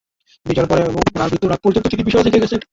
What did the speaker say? বিজয়ের পরে এবং তাঁর মৃত্যুর আগ পর্যন্ত তিনি মিশরে থেকে গেছেন।